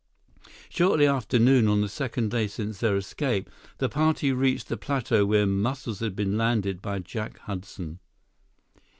Shortly after noon of the second day since their escape, the party reached the plateau where Muscles had been landed by Jack Hudson.